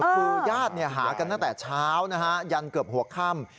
คือญาติหากันตั้งแต่เช้านะฮะยันเกือบหัวค่ำ